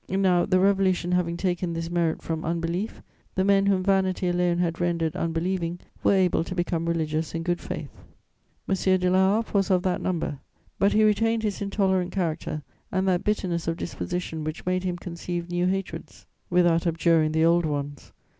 Now, the Revolution having taken this merit from unbelief, the men whom vanity alone had rendered unbelieving were able to become religious in good faith. "M. de La Harpe was of that number; but he retained his intolerant character and that bitterness of disposition which made him conceive new hatreds without abjuring the old ones.